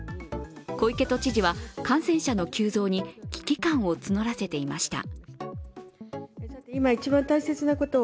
小池都知事は感染者の急増に危機感を募らせていました。